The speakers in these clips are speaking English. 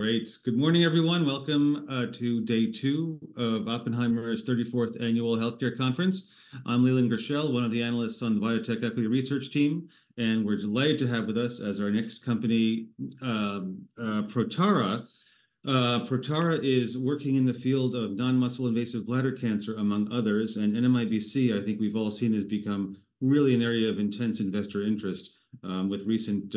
Great. Good morning, everyone. Welcome to day two of Oppenheimer's 34th Annual Healthcare Conference. I'm Leland Gershell, one of the analysts on the Biotech Equity Research team, and we're delighted to have with us, as our next company, Protara. Protara is working in the field of non-muscle invasive bladder cancer, among others, and NMIBC, I think we've all seen, has become really an area of intense investor interest, with recent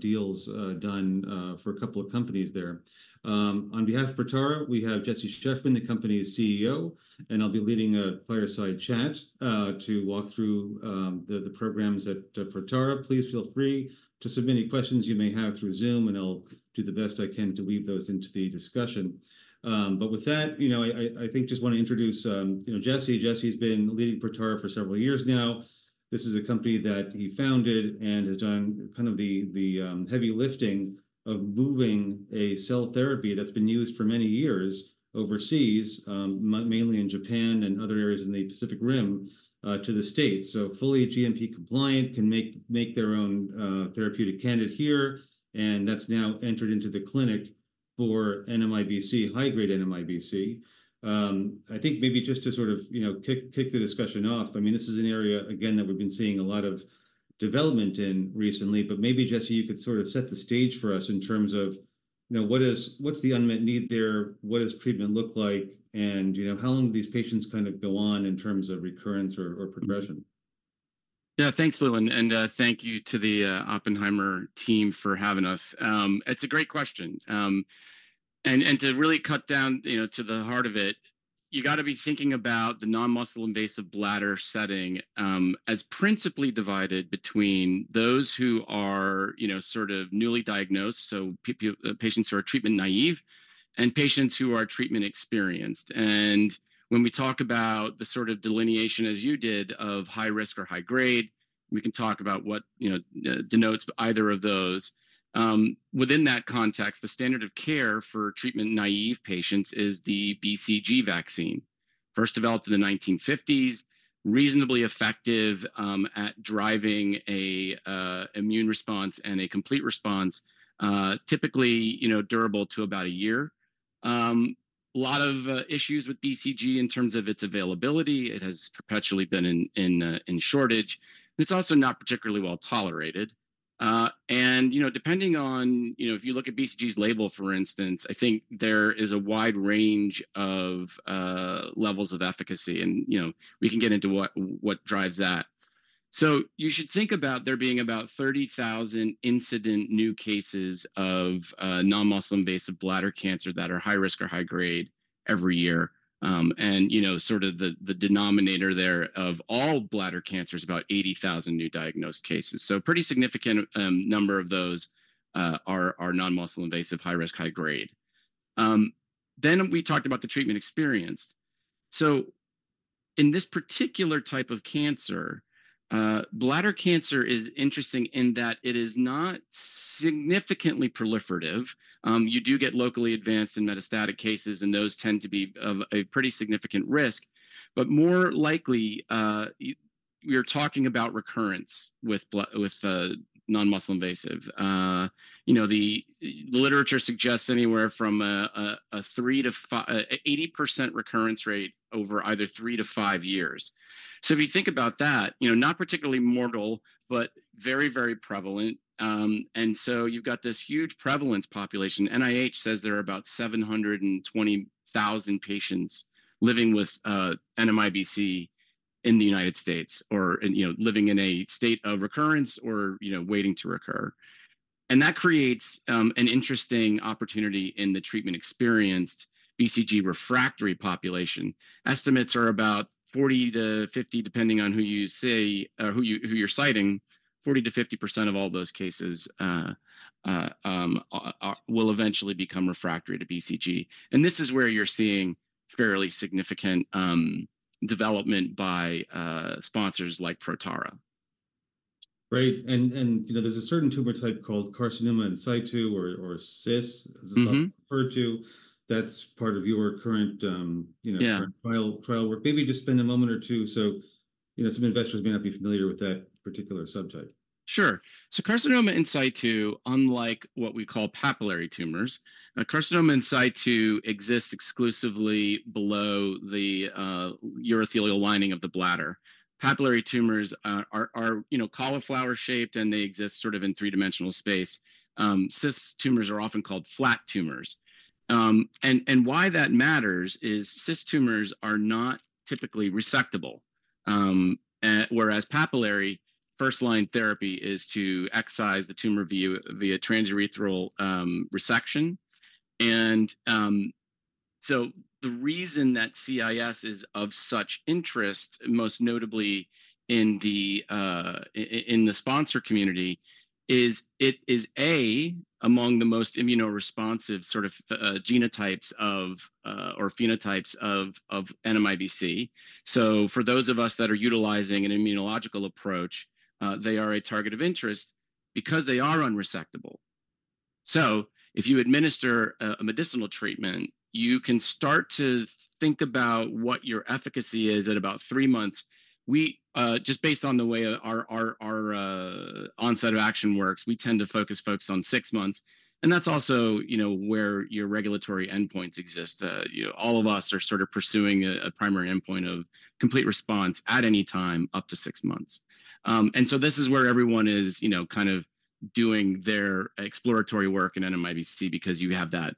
deals done for a couple of companies there. On behalf of Protara, we have Jesse Shefferman, the company's CEO, and I'll be leading a fireside chat to walk through the programs at Protara. Please feel free to submit any questions you may have through Zoom, and I'll do the best I can to weave those into the discussion. But with that, you know, I think just wanna introduce, you know, Jesse. Jesse's been leading Protara for several years now. This is a company that he founded and has done kind of the heavy lifting of moving a cell therapy that's been used for many years overseas, mainly in Japan and other areas in the Pacific Rim, to the States. So fully GMP compliant, can make their own therapeutic candidate here, and that's now entered into the clinic for NMIBC, high-grade NMIBC. I think maybe just to sort of, you know, kick the discussion off, I mean, this is an area again that we've been seeing a lot of development in recently, but maybe, Jesse, you could sort of set the stage for us in terms of, you know, what's the unmet need there? What does treatment look like, and, you know, how long do these patients kind of go on in terms of recurrence or, or progression? Yeah, thanks, Leland, and thank you to the Oppenheimer team for having us. It's a great question. To really cut down, you know, to the heart of it, you gotta be thinking about the non-muscle invasive bladder setting as principally divided between those who are, you know, sort of newly diagnosed, so patients who are treatment-naive, and patients who are treatment-experienced. When we talk about the sort of delineation, as you did, of high risk or high grade, we can talk about what, you know, denotes either of those. Within that context, the standard of care for treatment-naive patients is the BCG vaccine. First developed in the 1950s, reasonably effective at driving a immune response and a complete response, typically, you know, durable to about a year. Lot of issues with BCG in terms of its availability. It has perpetually been in shortage, and it's also not particularly well-tolerated. And, you know, depending on. You know, if you look at BCG's label, for instance, I think there is a wide range of levels of efficacy and, you know, we can get into what drives that. So you should think about there being about 30,000 incident new cases of non-muscle invasive bladder cancer that are high risk or high grade every year. And, you know, sort of the denominator there of all bladder cancers is about 80,000 new diagnosed cases, so a pretty significant number of those are non-muscle invasive, high risk, high grade. Then we talked about the treatment experienced. So in this particular type of cancer, bladder cancer is interesting in that it is not significantly proliferative. You do get locally advanced and metastatic cases, and those tend to be of a pretty significant risk, but more likely, we're talking about recurrence with non-muscle invasive. You know, the literature suggests anywhere from 3% to 80% recurrence rate over either three to five years. So if you think about that, you know, not particularly mortal, but very, very prevalent. And so you've got this huge prevalent population. NIH says there are about 720,000 patients living with NMIBC in the United States, or in, you know, living in a state of recurrence or, you know, waiting to recur. And that creates an interesting opportunity in the treatment-experienced BCG-refractory population. Estimates are about 40-50, depending on who you see or who you're citing, 40%-50% of all those cases will eventually become refractory to BCG, and this is where you're seeing fairly significant development by sponsors like Protara. Right. You know, there's a certain tumor type called Carcinoma in Situ or CIS- Mm-hmm -as it's referred to, that's part of your current, you know- Yeah... trial, trial work. Maybe just spend a moment or two, so—you know, some investors may not be familiar with that particular subtype. Sure. So Carcinoma in Situ, unlike what we call papillary tumors, Carcinoma in Situ exists exclusively below the urothelial lining of the bladder. Papillary tumors are, you know, cauliflower-shaped, and they exist sort of in three-dimensional space. CIS tumors are often called flat tumors. And why that matters is CIS tumors are not typically resectable, whereas papillary first-line therapy is to excise the tumor via transurethral resection. So the reason that CIS is of such interest, most notably in the sponsor community, is it is a, among the most immunoresponsive sort of genotypes or phenotypes of NMIBC. So for those of us that are utilizing an immunological approach, they are a target of interest because they are unresectable. So if you administer a medicinal treatment, you can start to think about what your efficacy is at about three months. We just based on the way our onset of action works, we tend to focus folks on six months, and that's also, you know, where your regulatory endpoints exist. You know, all of us are sort of pursuing a primary endpoint of complete response at any time up to six months. And so this is where everyone is, you know, kind of doing their exploratory work in NMIBC, because you have that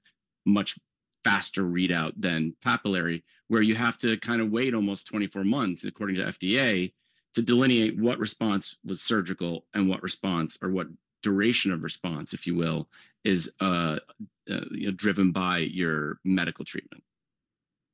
much faster readout than papillary, where you have to kind of wait almost 24 months, according to FDA, to delineate what response was surgical and what response, or what duration of response, if you will, is, you know, driven by your medical treatment.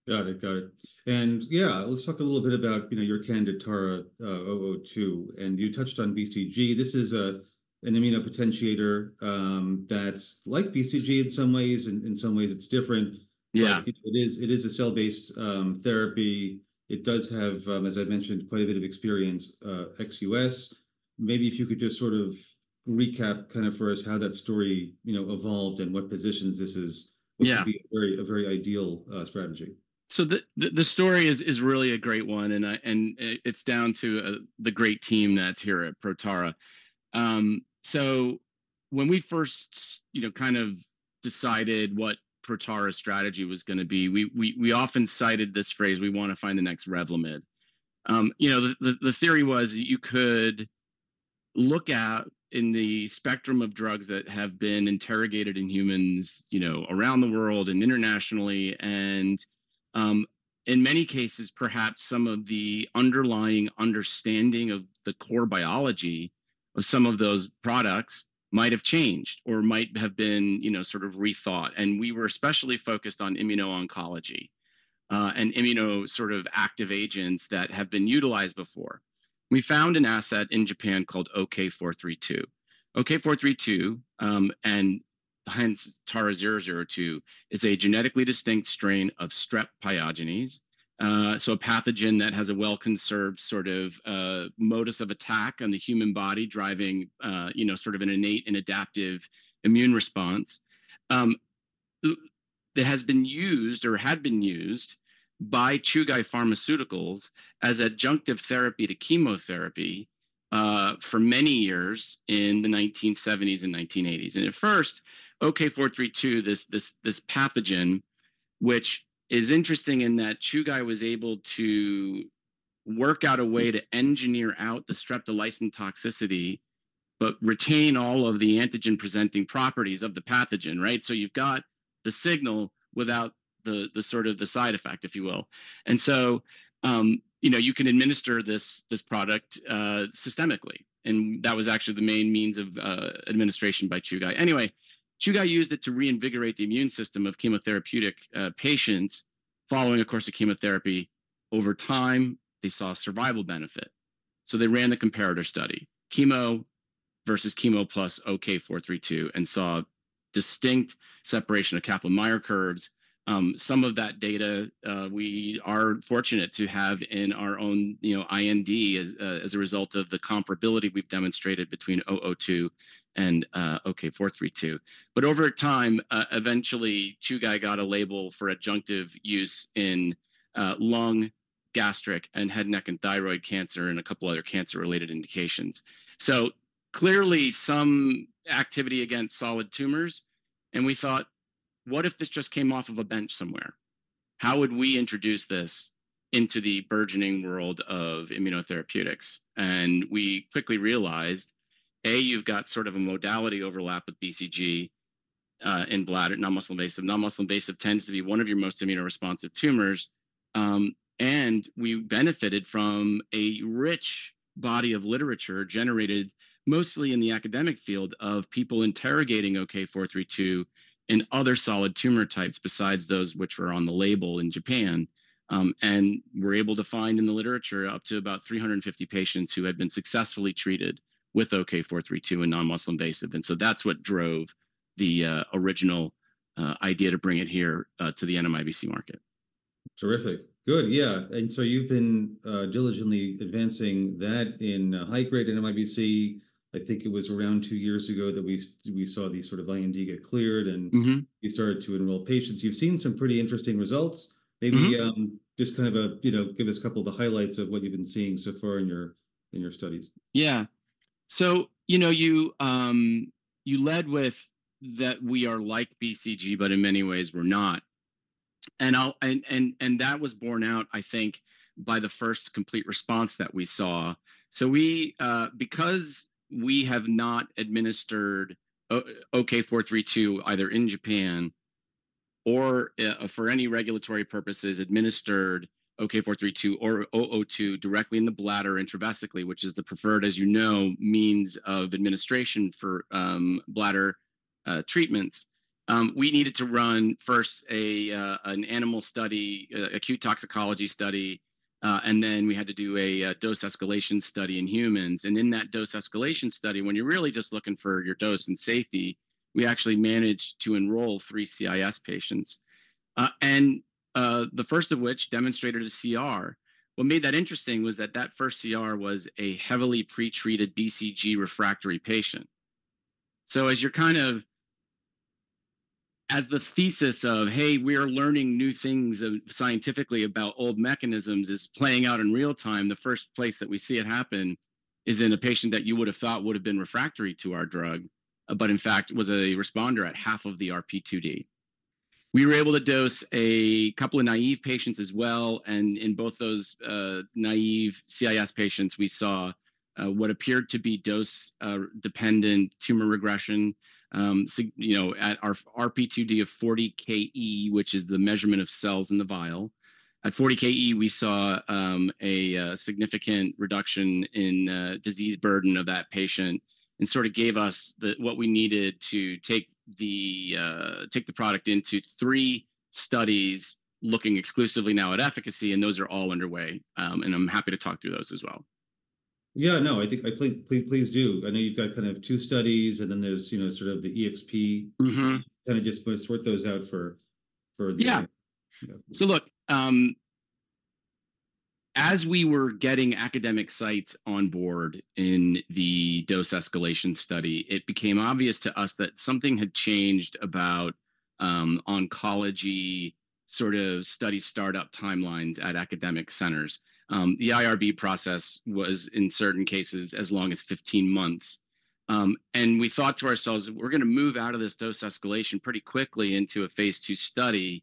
Got it. Got it. And, yeah, let's talk a little bit about, you know, your candidate TARA-002, and you touched on BCG. This is an immunopotentiator, that's like BCG in some ways, and in some ways it's different. Yeah. It is a cell-based therapy. It does have, as I mentioned, quite a bit of experience ex-U.S. Maybe if you could just sort of recap kind of for us how that story, you know, evolved and what positions this is- Yeah would be a very ideal strategy. So the story is really a great one, and it it's down to the great team that's here at Protara. So when we first, you know, kind of decided what Protara's strategy was gonna be, we often cited this phrase: "We wanna find the next Revlimid." You know, the theory was that you could look at, in the spectrum of drugs that have been interrogated in humans, you know, around the world and internationally, and in many cases, perhaps some of the underlying understanding of the core biology of some of those products might have changed or might have been, you know, sort of rethought. And we were especially focused on immuno-oncology, and immuno sort of active agents that have been utilized before. We found an asset in Japan called OK-432. OK-432, and hence TARA-002, is a genetically distinct strain of Strep pyogenes, so a pathogen that has a well-conserved sort of, modus of attack on the human body, driving, you know, sort of an innate and adaptive immune response. It has been used or had been used by Chugai Pharmaceuticals as adjunctive therapy to chemotherapy, for many years in the 1970s and 1980s. At first, OK-432, this pathogen, which is interesting in that Chugai was able to work out a way to engineer out the streptolysin toxicity, but retain all of the antigen-presenting properties of the pathogen, right? So you've got the signal without the, sort of the side effect, if you will. And so, you know, you can administer this product, systemically, and that was actually the main means of, administration by Chugai. Anyway, Chugai used it to reinvigorate the immune system of chemotherapeutic patients following a course of chemotherapy. Over time, they saw a survival benefit, so they ran the comparator study, chemo versus chemo plus OK-432, and saw distinct separation of Kaplan-Meier curves. Some of that data, we are fortunate to have in our own, you know, IND as a result of the comparability we've demonstrated between 002 and OK-432. But over time, eventually, Chugai got a label for adjunctive use in lung, gastric, and head, neck, and thyroid cancer, and a couple other cancer-related indications. So clearly, some activity against solid tumors, and we thought: What if this just came off of a bench somewhere? How would we introduce this into the burgeoning world of Immunotherapeutics? We quickly realized, A, you've got sort of a modality overlap with BCG in bladder, non-muscle invasive. Non-muscle invasive tends to be one of your most immunoresponsive tumors. We benefited from a rich body of literature generated mostly in the academic field of people interrogating OK-432 and other solid tumor types besides those which were on the label in Japan. We're able to find in the literature up to about 350 patients who had been successfully treated with OK-432 in non-muscle invasive, and so that's what drove the original idea to bring it here to the NMIBC market. Terrific. Good. Yeah, and so you've been diligently advancing that in high-grade NMIBC. I think it was around two years ago that we saw the sort of IND get cleared, and- Mm-hmm... you started to enroll patients. You've seen some pretty interesting results. Mm-hmm. Maybe, just kind of, you know, give us a couple of the highlights of what you've been seeing so far in your studies. Yeah. So, you know, you led with that we are like BCG, but in many ways we're not. And that was borne out, I think, by the first complete response that we saw. So we, because we have not administered OK-432, either in Japan or, for any regulatory purposes, administered OK-432 or 002 directly in the bladder intravesically, which is the preferred, as you know, means of administration for, bladder, treatments. We needed to run first a, an animal study, a acute toxicology study, and then we had to do a, dose escalation study in humans. And in that dose escalation study, when you're really just looking for your dose and safety, we actually managed to enroll three CIS patients. And the first of which demonstrated a CR. What made that interesting was that that first CR was a heavily pre-treated BCG refractory patient. So as you're kind of as the thesis of, "Hey, we are learning new things, scientifically about old mechanisms," is playing out in real time, the first place that we see it happen is in a patient that you would have thought would have been refractory to our drug, but in fact was a responder at half of the RP2D. We were able to dose a couple of naive patients as well, and in both those naive CIS patients, we saw what appeared to be dose dependent tumor regression. So, you know, at our RP2D of 40 KE, which is the measurement of cells in the vial, at 40 KE, we saw a significant reduction in disease burden of that patient and sort of gave us the what we needed to take the product into three studies, looking exclusively now at efficacy, and those are all underway. And I'm happy to talk through those as well. Yeah, no, I think, please do. I know you've got kind of two studies, and then there's, you know, sort of the EXP? Mm-hmm. Kind of just want to sort those out for, for the- Yeah. Yeah. So look, as we were getting academic sites on board in the dose escalation study, it became obvious to us that something had changed about oncology sort of study startup timelines at academic centers. The IRB process was, in certain cases, as long as 15 months. We thought to ourselves that we're going to move out of this dose escalation pretty quickly into a phase II study,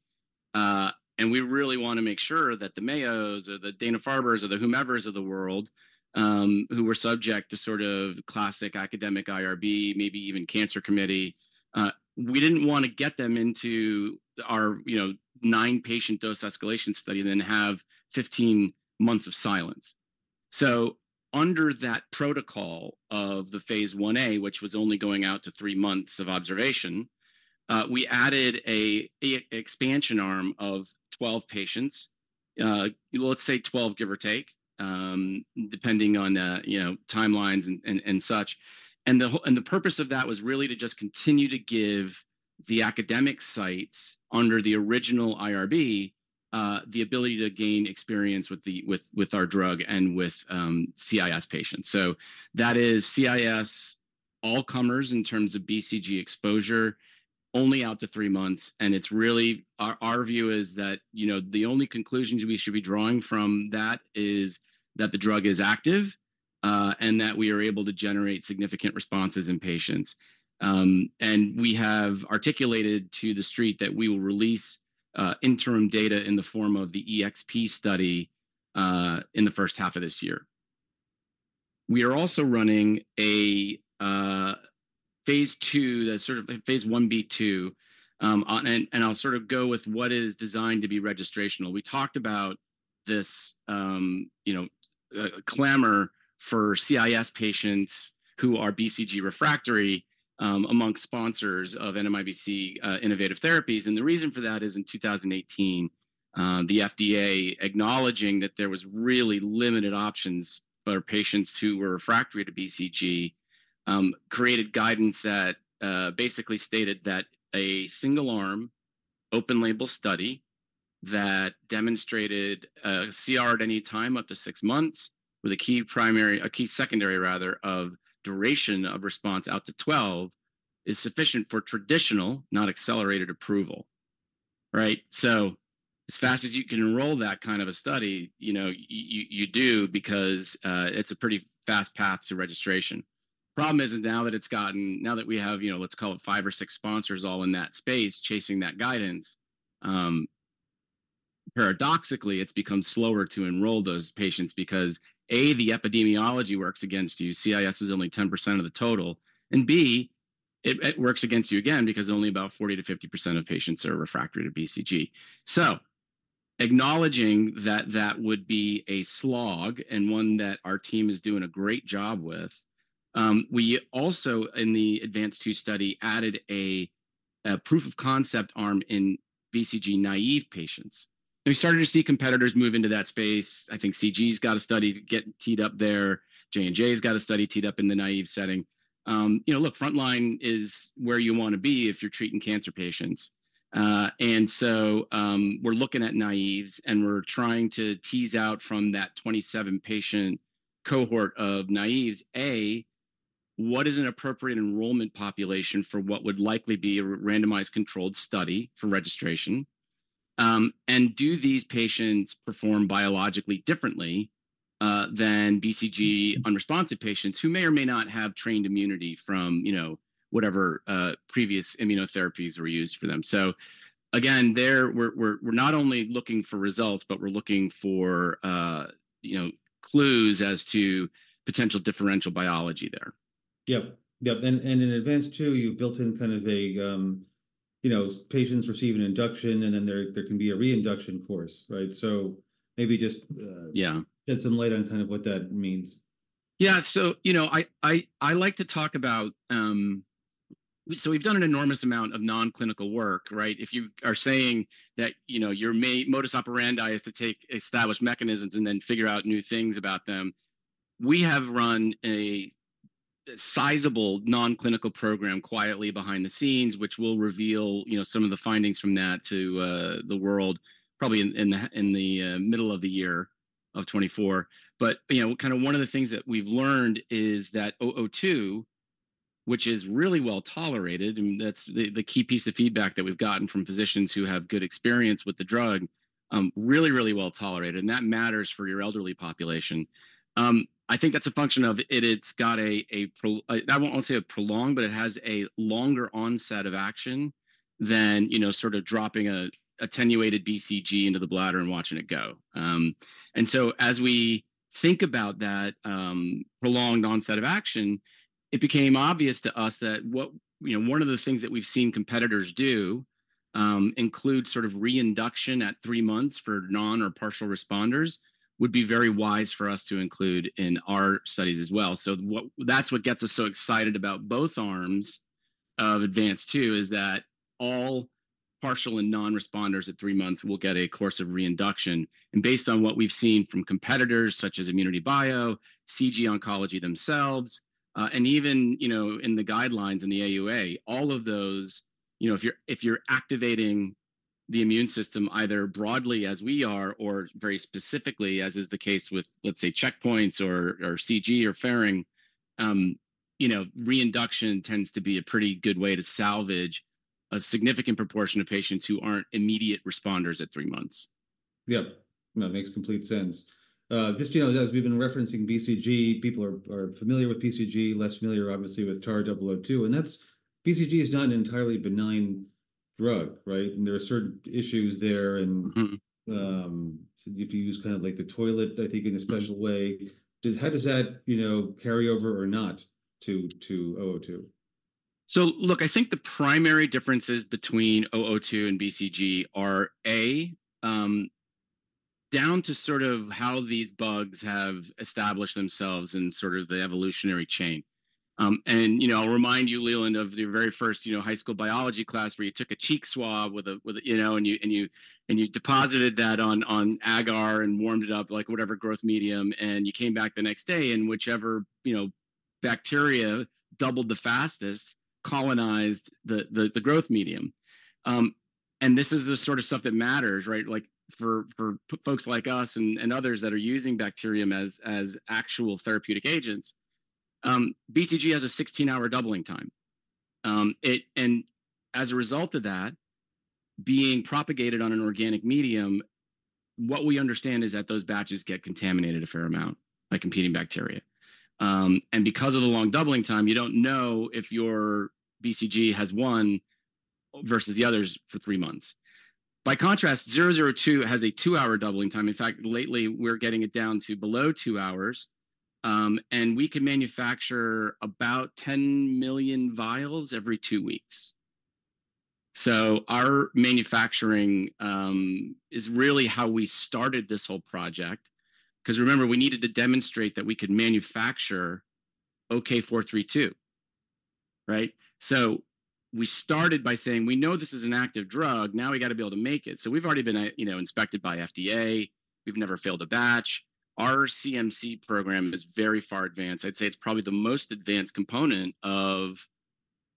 and we really want to make sure that the Mayos or the Dana-Farbers or the whomever of the world, who were subject to sort of classic academic IRB, maybe even cancer committee, we didn't want to get them into our, you know, nine-patient dose escalation study and then have 15 months of silence. So under that protocol of the phase IA, which was only going out to three months of observation, we added an expansion arm of 12 patients. Let's say 12, give or take, depending on you know, timelines and such. The purpose of that was really to just continue to give the academic sites, under the original IRB, the ability to gain experience with our drug and with CIS patients. So that is CIS all comers in terms of BCG exposure, only out to three months, and it's really our view is that, you know, the only conclusions we should be drawing from that is that the drug is active and that we are able to generate significant responses in patients. And we have articulated to the street that we will release interim data in the form of the EXP study in the first half of this year. We are also running a phase II, that's sort of a phase I B2. And I'll sort of go with what is designed to be registrational. We talked about this, you know, clamor for CIS patients who are BCG refractory among sponsors of NMIBC innovative therapies. The reason for that is, in 2018, the FDA, acknowledging that there was really limited options for patients who were refractory to BCG, created guidance that, basically stated that a single-arm, open label study that demonstrated, CR at any time up to six months with a key primary- a key secondary rather, of duration of response out to 12, is sufficient for traditional, not accelerated, approval. Right? So as fast as you can enroll that kind of a study, you know, you do because, it's a pretty fast path to registration. The problem is now that we have, you know, let's call it five or six sponsors all in that space chasing that guidance, paradoxically, it's become slower to enroll those patients because, A, the epidemiology works against you, CIS is only 10% of the total, and B, it works against you again because only about 40%-50% of patients are refractory to BCG. So acknowledging that that would be a slog, and one that our team is doing a great job with, we also in the ADVANCED-2 study added a proof of concept arm in BCG-naive patients. We started to see competitors move into that space. I think CG's got a study getting teed up there. J&J's got a study teed up in the naive setting. You know, look, frontline is where you want to be if you're treating cancer patients. And so, we're looking at naives, and we're trying to tease out from that 27-patient cohort of naives, a, what is an appropriate enrollment population for what would likely be a randomized controlled study for registration? And do these patients perform biologically differently than BCG unresponsive patients who may or may not have trained immunity from, you know, whatever previous immunotherapies were used for them? So again, there we're not only looking for results, but we're looking for, you know, clues as to potential differential biology there. Yep. Yep, and in advance, too, you built in kind of a, you know, patients receive an induction, and then there can be a reinduction course, right? So maybe just- Yeah -shed some light on kind of what that means. Yeah. So, you know, I like to talk about. So we've done an enormous amount of non-clinical work, right? If you are saying that, you know, your modus operandi is to take established mechanisms and then figure out new things about them, we have run a sizable non-clinical program quietly behind the scenes, which we'll reveal, you know, some of the findings from that to the world, probably in the middle of the year of 2024. But, you know, kind of one of the things that we've learned is that TARA-002, which is really well-tolerated, and that's the key piece of feedback that we've gotten from physicians who have good experience with the drug, really, really well-tolerated, and that matters for your elderly population. I think that's a function of, it's got a pro, I won't say a prolonged, but it has a longer onset of action than, you know, sort of dropping a attenuated BCG into the bladder and watching it go. And so as we think about that, prolonged onset of action, it became obvious to us that, you know, one of the things that we've seen competitors do, include sort of reinduction at three months for non or partial responders, would be very wise for us to include in our studies as well. So that's what gets us so excited about both arms of ADVANCED-2, is that all partial and non-responders at three months will get a course of reinduction. Based on what we've seen from competitors such as ImmunityBio, CG Oncology themselves, and even, you know, in the guidelines in the AUA, all of those. You know, if you're activating the immune system, either broadly as we are, or very specifically, as is the case with, let's say, checkpoints or CG or Ferring, you know, reinduction tends to be a pretty good way to salvage a significant proportion of patients who aren't immediate responders at three months. Yep. No, it makes complete sense. Just, you know, as we've been referencing BCG, people are familiar with BCG, less familiar obviously with TARA-002, and that's, BCG is not an entirely benign drug, right? And there are certain issues there, and- Mm-hmm -you have to use kind of like the toilet, I think, in a special way. Does- how does that, you know, carry over or not to, to OO2? So look, I think the primary differences between TARA-002 and BCG are, A, down to sort of how these bugs have established themselves in sort of the evolutionary chain. And, you know, I'll remind you, Leland, of the very first, you know, high school biology class, where you took a cheek swab with a you know, and you deposited that on agar and warmed it up, like whatever growth medium, and you came back the next day, and whichever, you know, bacteria doubled the fastest, colonized the growth medium. And this is the sort of stuff that matters, right? Like, for pharma folks like us and others that are using bacterium as actual therapeutic agents. BCG has a 16-hour doubling time. As a result of that, being propagated on an organic medium, what we understand is that those batches get contaminated a fair amount by competing bacteria. Because of the long doubling time, you don't know if your BCG has one versus the others for three months. By contrast, 002 has a two-hour doubling time. In fact, lately, we're getting it down to below two hours, and we can manufacture about 10 million vials every two weeks. So our manufacturing is really how we started this whole project, 'cause remember, we needed to demonstrate that we could manufacture OK-432, right? So we started by saying: "We know this is an active drug, now we've got to be able to make it." So we've already been at, you know, inspected by FDA. We've never failed a batch. Our CMC program is very far advanced. I'd say it's probably the most advanced component of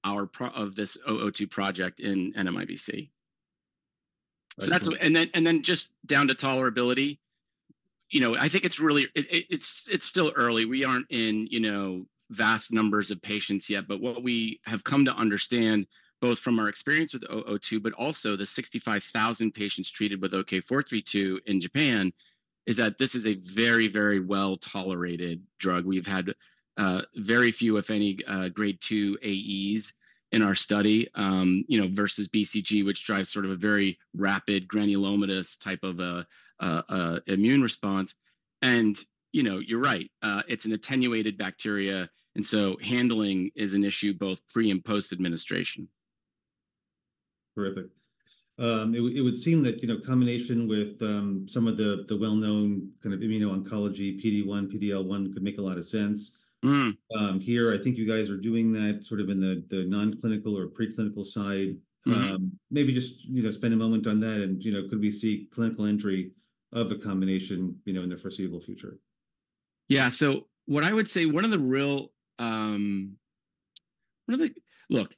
our program for this TARA-002 project in NMIBC. So that's- And then just down to tolerability, you know, I think it's really. It's still early. We aren't in, you know, vast numbers of patients yet, but what we have come to understand, both from our experience with TARA-002, but also the 65,000 patients treated with OK-432 in Japan, is that this is a very, very well-tolerated drug. We've had very few, if any, Grade 2 AEs in our study, you know, versus BCG, which drives sort of a very rapid granulomatous type of immune response. And, you know, you're right, it's an attenuated bacteria, and so handling is an issue both pre- and post-administration. Terrific. It would seem that, you know, combination with some of the well-known kind of immuno-oncology, PD-1, PD-L1, could make a lot of sense. Mm. Here, I think you guys are doing that sort of in the non-clinical or preclinical side. Mm-hmm. Maybe just, you know, spend a moment on that and, you know, could we see clinical entry of a combination, you know, in the foreseeable future? Yeah. So what I would say, one of the. Look,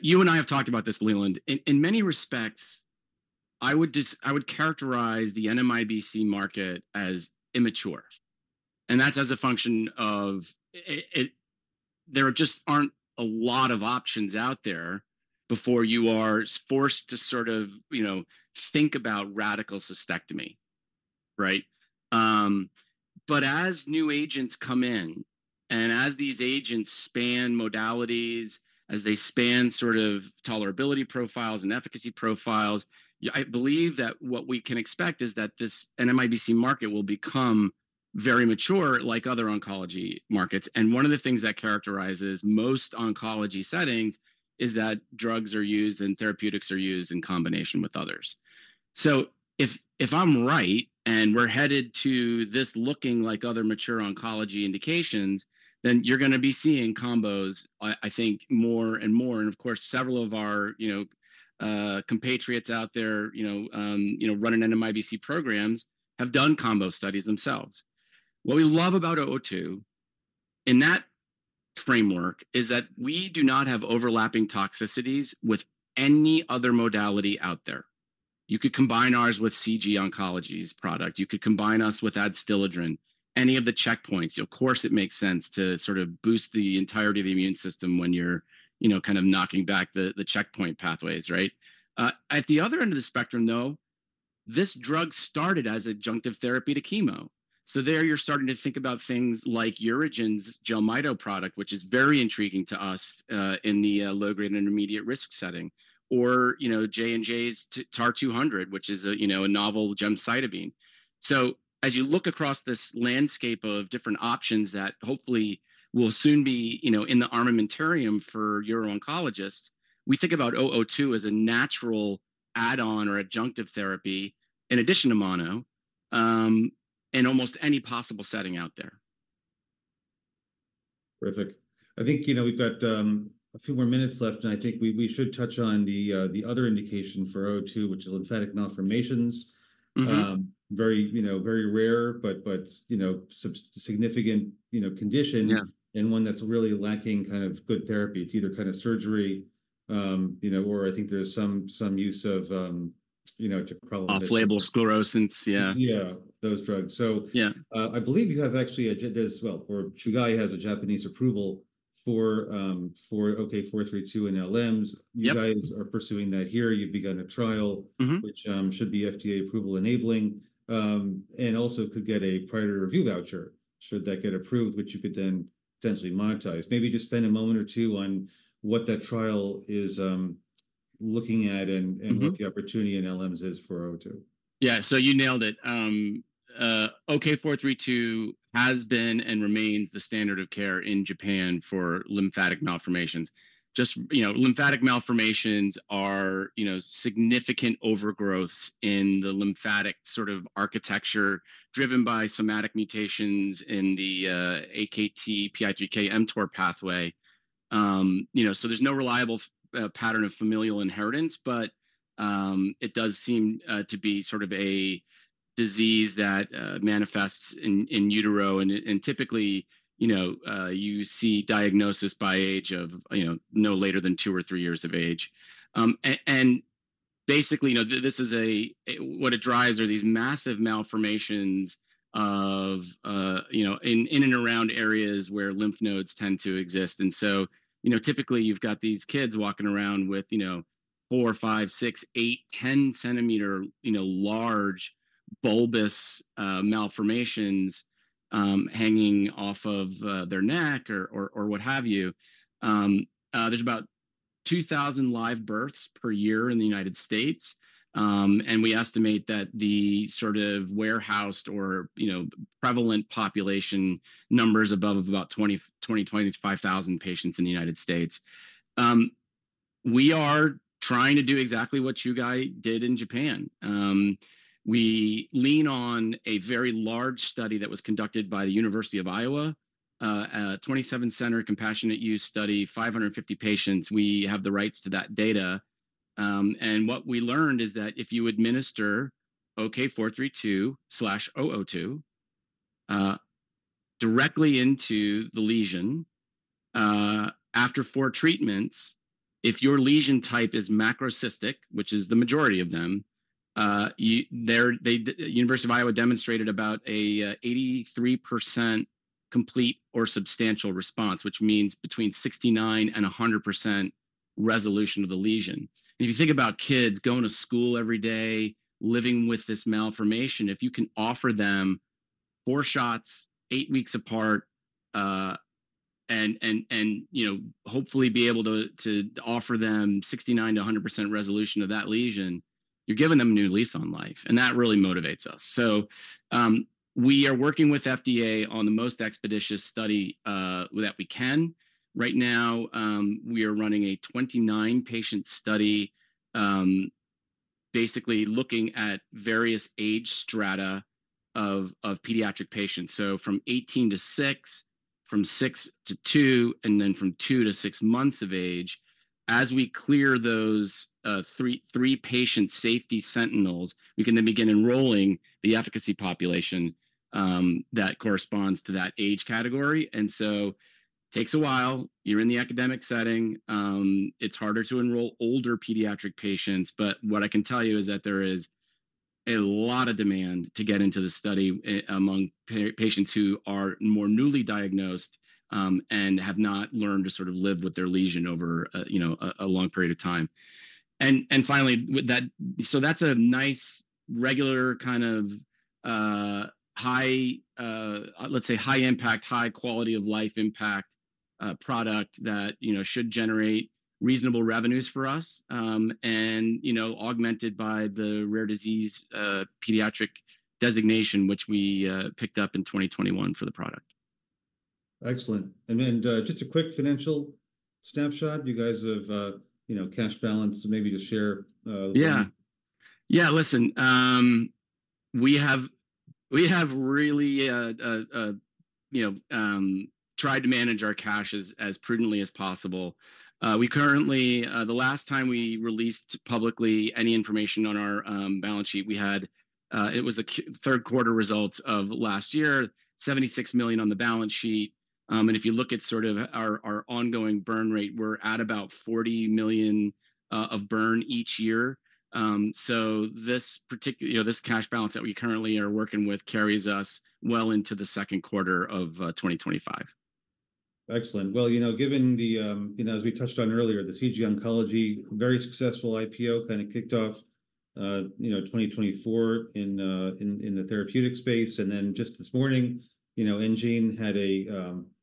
you and I have talked about this, Leland. In many respects, I would just I would characterize the NMIBC market as immature, and that's as a function of there just aren't a lot of options out there before you are forced to sort of, you know, think about radical cystectomy, right? But as new agents come in, and as these agents span modalities, as they span sort of tolerability profiles and efficacy profiles, I believe that what we can expect is that this NMIBC market will become very mature like other oncology markets. And one of the things that characterizes most oncology settings is that drugs are used and therapeutics are used in combination with others. So if I'm right, and we're headed to this looking like other mature oncology indications, then you're gonna be seeing combos, I think, more and more. And of course, several of our, you know, compatriots out there, you know, you know, running NMIBC programs, have done combo studies themselves. What we love about TARA-002 in that framework is that we do not have overlapping toxicities with any other modality out there. You could combine ours with CG Oncology's product. You could combine us with Adstiladrin, any of the checkpoints. Of course, it makes sense to sort of boost the entirety of the immune system when you're, you know, kind of knocking back the checkpoint pathways, right? At the other end of the spectrum, though, this drug started as adjunctive therapy to chemo. So there, you're starting to think about things like UroGen's Jelmyto product, which is very intriguing to us, in the low-grade and intermediate risk setting, or, you know, J&J's TAR-200, which is a, you know, a novel gemcitabine. So as you look across this landscape of different options that hopefully will soon be, you know, in the armamentarium for Uro-oncologists, we think about TARA-002 as a natural add-on or adjunctive therapy in addition to mono in almost any possible setting out there. Terrific. I think, you know, we've got a few more minutes left, and I think we should touch on the other indication for TARA-002, which is lymphatic malformations. Mm-hmm. Very, you know, very rare, but, you know, significant, you know, condition- Yeah... and one that's really lacking kind of good therapy. It's either kind of surgery, you know, or I think there's some use of, you know, to probably- Off-label sclerosants, yeah. Yeah, those drugs. So- Yeah... I believe you have actually, well, or Chugai has a Japanese approval for OK-432 in LMs. Yep. You guys are pursuing that here. You've begun a trial- Mm-hmm... which, should be FDA approval-enabling, and also could get a Priority Review Voucher should that get approved, which you could then potentially monetize. Maybe just spend a moment or two on what that trial is, looking at and, and- Mm-hmm... what the opportunity in LMs is for TARA-002. Yeah, so you nailed it. OK-432 has been and remains the standard of care in Japan for lymphatic malformations. Just, you know, lymphatic malformations are, you know, significant overgrowths in the lymphatic sort of architecture, driven by somatic mutations in the AKT, PI3K, mTOR pathway. So there's no reliable pattern of familial inheritance, but it does seem to be sort of a disease that manifests in utero. And typically, you know, you see diagnosis by age of, you know, no later than two or three years of age. And basically, you know, this is a what it drives are these massive malformations of, you know, in and around areas where lymph nodes tend to exist. You know, typically, you've got these kids walking around with, you know, 4 cm, 5cm, 6 cm, 8 cm, 10-centimeter, you know, large, bulbous malformations hanging off of their neck or what have you. There's about 2,000 live births per year in the United States, and we estimate that the sort of warehoused or, you know, prevalent population numbers above of about 20,000-25,000 patients in the United States. We are trying to do exactly what Chugai did in Japan. We lean on a very large study that was conducted by the University of Iowa, a 27-center compassionate use study, 550 patients. We have the rights to that data. And what we learned is that if you administer OK-432/TARA-002 directly into the lesion, after four treatments, if your lesion type is macrocystic, which is the majority of them, the University of Iowa demonstrated about a 83% complete or substantial response, which means between 69% and 100% resolution of the lesion. And if you think about kids going to school every day, living with this malformation, if you can offer them four shots, eight weeks apart, you know, hopefully be able to offer them 69%-100% resolution of that lesion, you're giving them a new lease on life, and that really motivates us. So, we are working with FDA on the most expeditious study that we can. Right now, we are running a 29-patient study, basically looking at various age strata of pediatric patients, so from 18 to six, from six to two, and then from two to six months of age. As we clear those, three patient safety sentinels, we can then begin enrolling the efficacy population, that corresponds to that age category. And so takes a while. You're in the academic setting. It's harder to enroll older pediatric patients, but what I can tell you is that there is a lot of demand to get into the study among patients who are more newly diagnosed, and have not learned to sort of live with their lesion over a, you know, long period of time. Finally, with that, so that's a nice, regular kind of, high, let's say, high impact, high quality of life impact, product that, you know, should generate reasonable revenues for us. And, you know, augmented by the Rare Pediatric Disease Designation, which we picked up in 2021 for the product. Excellent. And then, just a quick financial snapshot. You guys have, you know, cash balance, maybe to share, a little- Yeah. Yeah, listen, we have really, you know, tried to manage our cash as prudently as possible. We currently, the last time we released publicly any information on our balance sheet, we had it was the third quarter results of last year, $76 million on the balance sheet. And if you look at sort of our ongoing burn rate, we're at about $40 million of burn each year. So this you know, this cash balance that we currently are working with carries us well into the second quarter of 2025. Excellent. Well, you know, given the you know, as we touched on earlier, the CG Oncology very successful IPO kind of kicked off you know 2024 in the therapeutic space.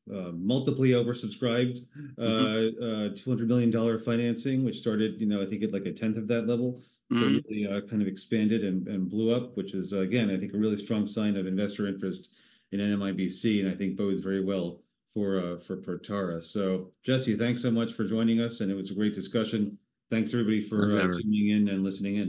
And then just this morning, you know, enGene had a multiply oversubscribed- Mm-hmm -$200 million financing, which started, you know, I think at, like, a tenth of that level. Mm-hmm. So it kind of expanded and blew up, which is again, I think, a really strong sign of investor interest in NMIBC, and I think bodes very well for Protara. So Jesse, thanks so much for joining us, and it was a great discussion. Thanks, everybody, for- My honour.... tuning in and listening in.